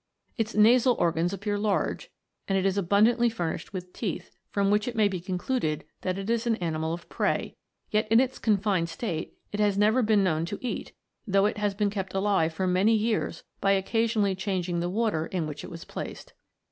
Its nasal organs appear large ; and it is abundantly furnished with teeth, from which it may be concluded that it is an animal of prey, yet in its confined state it has never been known to eat, though it has been kept alive for many years by occasionally changing the water in which it was placed."